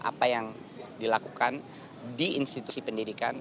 apa yang dilakukan di institusi pendidikan